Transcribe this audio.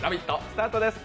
スタートです。